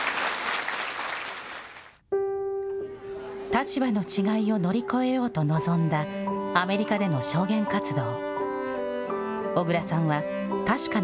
立場の違いを乗り越えようと臨んだアメリカでの証言活動。